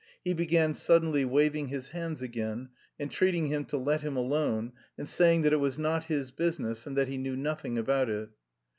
he began suddenly waving his hands again, entreating him to let him alone, and saying that it was not his business, and that he knew nothing about it.